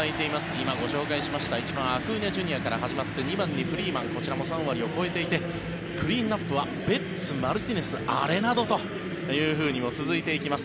今、ご紹介しました１番、アクーニャＪｒ．から始まっていて２番にフリーマンこちらも３割を超えていてクリーンアップはベッツ、マルティネスアレナドと続いていきます。